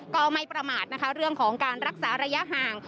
มันไม่ประมาทเรื่องของรักษาระยะห่าง